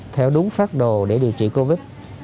theo đúng pháp đồ để điều trị covid